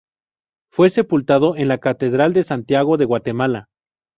Fue sepultado en la catedral de Santiago de Guatemala.